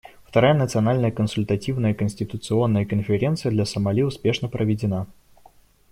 Вторая Национальная консультативная конституционная конференция для Сомали успешно проведена.